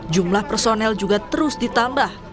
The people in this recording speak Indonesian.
jumlah personel juga terus ditambah